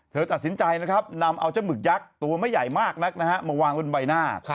เธอตัดสินใจนำเอาเจ้ามึกยักษ์ตัวไม่ใหญ่มากมาวางบนใบหน้า